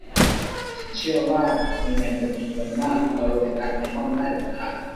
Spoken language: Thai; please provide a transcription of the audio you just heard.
ฉันเชื่อว่ามีแมงมุมจำนวนมากมารวมกันในห้องใต้หลังคา